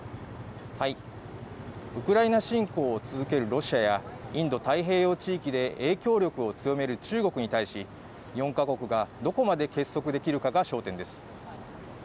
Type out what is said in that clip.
ウクライナ侵攻を続けるロシアやインド太平洋地域で影響力を強める中国に対し４カ国がどこまで結束できるかが焦点です。